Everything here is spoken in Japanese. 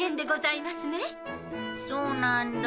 そうなんだ。